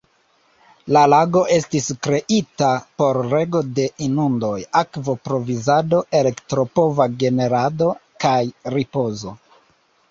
La lago estis kreita por rego de inundoj, akvo-provizado, elektro-pova generado, kaj ripozo.